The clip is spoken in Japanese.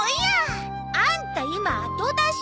アンタ今後出し。